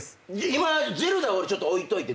今『ゼルダ』はちょっと置いといて。